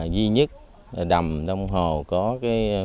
duy nhất là đầm đông hồ có khuôn